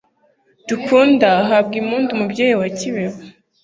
dukunda, habwa impundu, mubyeyi wa kibeho